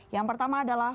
yang pertama adalah v